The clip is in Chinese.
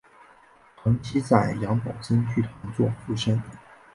长期在杨宝森剧团做副生。